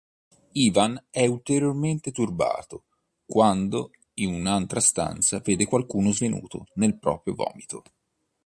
Ivan è ulteriormente turbato quando, in un'altra stanza, vede qualcuno svenuto nel proprio vomito.